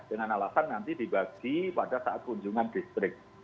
dengan alasan nanti dibagi pada saat kunjungan distrik